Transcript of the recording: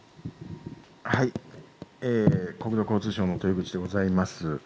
国土交通省の豊口でございます。